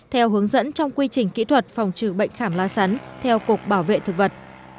theo hướng dẫn trong quy trình kỹ thuật phòng trừ bệnh khảm lá sắn theo cục bảo vệ thực vật